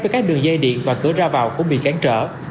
với các đường dây điện và cửa ra vào cũng bị cản trở